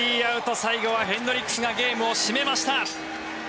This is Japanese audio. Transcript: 最後はヘンドリックスがゲームを締めました。